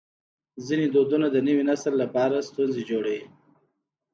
ځینې دودونه د نوي نسل لپاره ستونزې جوړوي.